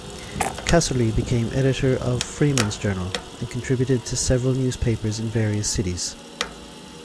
Casserly became editor of "Freeman's Journal" and contributed to several newspapers in various cities.